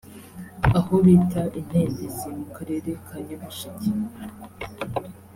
aho bita i Ntendezi mu Karere ka Nyamasheke